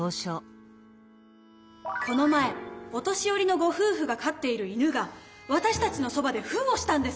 この前お年寄りのごふうふが飼っている犬がわたしたちのそばでふんをしたんです。